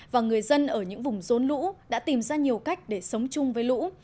và người dân ở những vùng rốn lũ đã tìm ra nhiều cách để sống chung với lũ